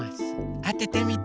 あててみて。